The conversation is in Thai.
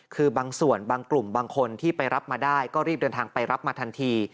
คือบางส่วนบางกลุ่มบางคนที่ไปรับมาได้ก็รีบเดินทางไปรับมาทันที